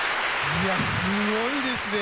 いやすごいですね。